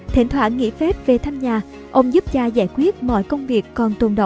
thỉnh thoảng nghỉ phép về thăm nhà ông giúp cha giải quyết mọi công việc